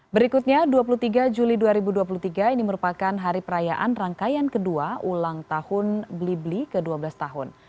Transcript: berikutnya dua puluh tiga juli dua ribu dua puluh tiga ini merupakan hari perayaan rangkaian kedua ulang tahun blibli ke dua belas tahun